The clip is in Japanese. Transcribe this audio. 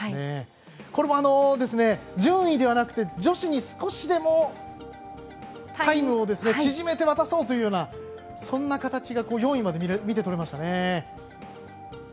これ順位ではなくて女子に少しでもタイムを縮めて渡そうというようなそんな形が４位まで見て取れましたね。